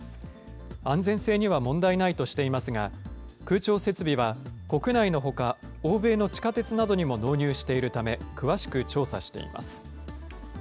安全性には問題ないとしていますが、空調設備は国内のほか、欧米の地下鉄などにも納入しているたＥｙｅｓｏｎです。